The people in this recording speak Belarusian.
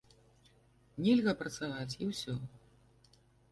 Нельга працаваць і ўсё.